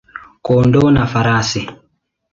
kondoo na farasi.